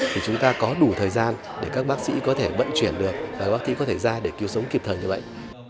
thì chúng ta có đủ thời gian để các bác sĩ có thể vận chuyển được và bác sĩ có thể ra để cứu sống kịp thời người bệnh